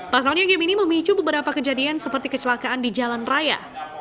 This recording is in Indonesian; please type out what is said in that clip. pasalnya game ini memicu beberapa kejadian seperti kecelakaan di jalan raya